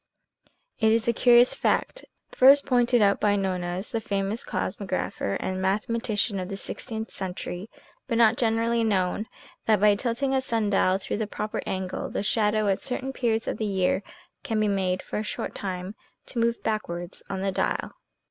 It is a curious fact, first pointed out by Nonez, the famous cosmographer and mathematician of the sixteenth century, but not generally known, that by tilting a sun dial through the proper angle, the shadow at certain periods of the year can be made, for a short time, to move backwards on the dial.